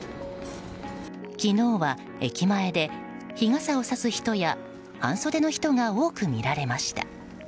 昨日は、駅前で日傘をさす人や半袖の人が多くみられました。